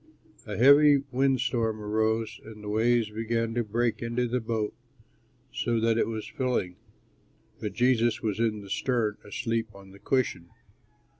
A heavy wind storm arose and the waves began to break into the boat so that it was filling; but Jesus was in the stern asleep on the cushion.